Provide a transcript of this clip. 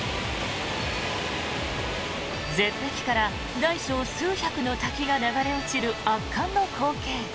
絶壁から大小数百の滝が流れ落ちる圧巻の光景。